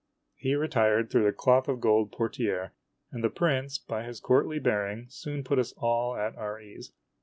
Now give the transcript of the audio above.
He retired through the cloth of gold portiere, and the prince, by his courtly bearing, soon put us all at our ease.